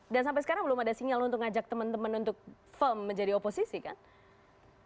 dan sampai sekarang belum ada sinyal untuk mengajak teman teman untuk firm menjadi oposisi kan